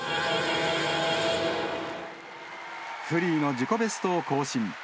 フリーの自己ベストを更新。